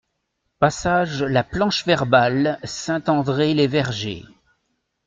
Passage La Planche Verbale, Saint-André-les-Vergers